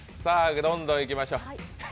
どんどんいきましょう。